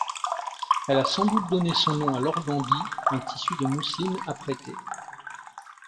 Elle a sans doute donné son nom à l'organdi, un tissu de mousseline apprêté.